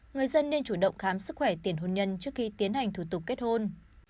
người dân nên chủ động khám sức khỏe tiền hôn nhân trước khi tiến hành thủ tục kết hôn